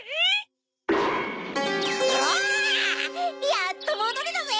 やっともどれたぜ！